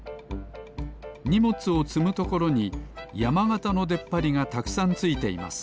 にもつをつむところにやまがたのでっぱりがたくさんついています